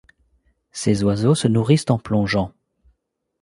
Ces oiseaux se nourrissent en plongeant.